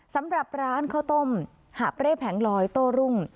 สำหรับร้านข้าวต้มหาบเร่แผงลอยโต้รุ่ง